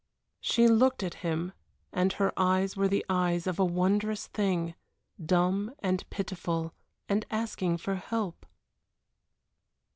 She looked at him, and her eyes were the eyes of a wounded thing dumb and pitiful, and asking for help.